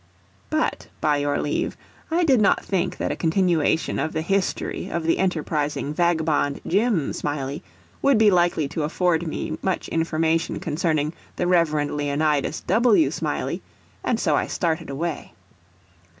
But, by your leave, I did not think that a continuation of the history of the enterprising vagabond Jim Smiley would be likely to afford me much information concerning the Rev. Leonidas W. Smiley, and so I started away.